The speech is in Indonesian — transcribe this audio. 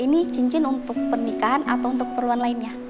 ini cincin untuk pernikahan atau untuk keperluan lainnya